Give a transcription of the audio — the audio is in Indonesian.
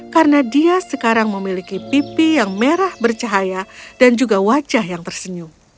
karena dia sekarang memiliki pipi yang merah bercahaya dan juga wajah yang tersenyum